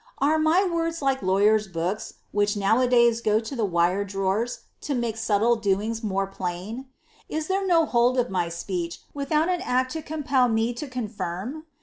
Ara i words like lawyer's booki, which now^ days go to the wito drawera, to m subtle doinm more plain ? Is there tio hold of my speech wiihoui aji act compel me 10 confirm?